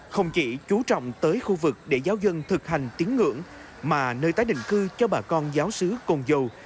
không chỉ chú trọng tới khu vực để giáo dân thực hành tiếng ngưỡng mà nơi tái định cư cho bà con giáo sứ cồn dầu